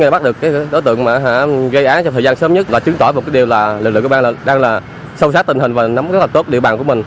bắt được đối tượng mà gây án trong thời gian sớm nhất là chứng tỏ một điều là lực lượng công an đang sâu sát tình hình và nắm rất là tốt địa bàn của mình